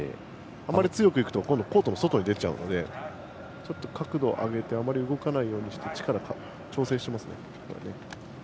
あまり強くいくと、今度はコートの外に出ちゃうので角度を上げてあまり出ないように力を調整していますね。